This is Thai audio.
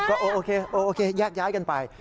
ก็โอเคโอเคแยกย้ายกันไป